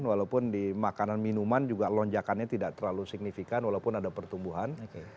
walaupun di makanan minuman juga lonjakannya tidak terlalu signifikan walaupun ada pertumbuhan